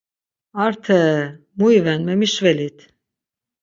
Arteee! Mu iven, memişvelit!